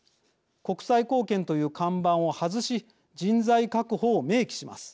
国際貢献という看板を外し人材確保を明記します。